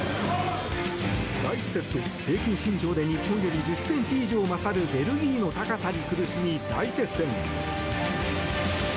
第１セット、平均身長で日本より１０ｃｍ以上勝るベルギーの高さに苦しみ大接戦。